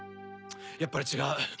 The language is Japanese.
やっぱりちがう。